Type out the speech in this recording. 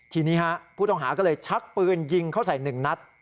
ทีนี้ฮะผู้ต้องหาก็เลยชักปืนยิงเข้าใส่๑นัด